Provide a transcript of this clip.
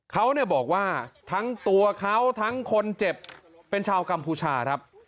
เขาบอกว่าทั้งตัวเขาทั้งคนเจ็บเป็นชาวกัมพูชาครับ